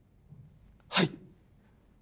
はい！